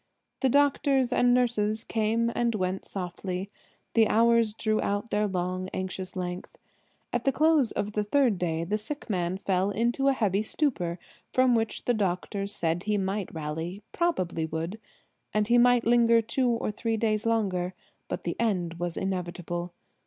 The doctors and nurses came and went softly. The hours drew out their long, anxious length. At the close of the third day the sick man fell into a heavy stupor, from which the doctors said he might rally–probably would–and he might linger two or three days longer; but the end was inevitable.